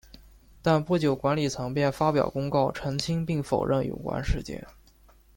但不久管理层便发表公告澄清并否认有关事件。